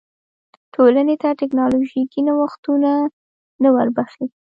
ټولنې ته ټکنالوژیکي نوښتونه نه وربښي.